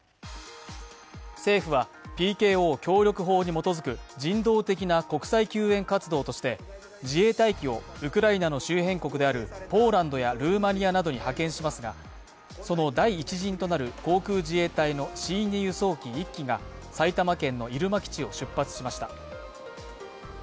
政府はＰＫＯ協力法に基づく人道的な国際救援活動として自衛隊機をウクライナの周辺国であるポーランドやルーマニアなどに派遣しますがその第１陣となる航空自衛隊のＣ−２輸送機１機が埼玉県の入間基地を出発しました。